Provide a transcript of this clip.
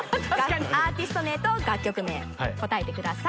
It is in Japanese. アーティスト名と楽曲名答えてください。